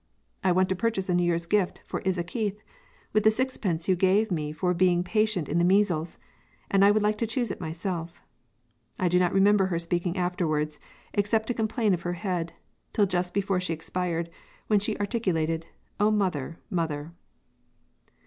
'I want to purchase a New Year's gift for Isa Keith with the sixpence you gave me for being patient in the measles; and I would like to choose it myself.' I do not remember her speaking afterwards, except to complain of her head, till just before she expired, when she articulated, 'O mother! mother!'"